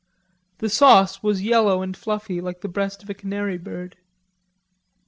The sauce was yellow and fluffy like the breast of a canary bird.